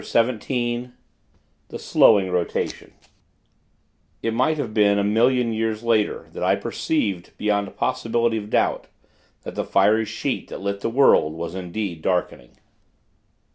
XVII THE SLOWING ROTATION It might have been a million years later, that I perceived, beyond possibility of doubt, that the fiery sheet that lit the world, was indeed darkening.